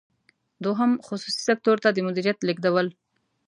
دوهم: خصوصي سکتور ته د مدیریت لیږدول.